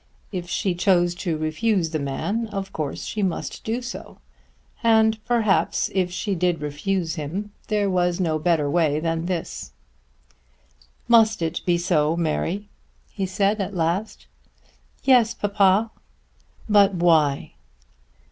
If she chose to refuse the man of course she must do so; and perhaps, if she did refuse him, there was no way better than this. "Must it be so, Mary?" he said at last. "Yes, papa." "But why?"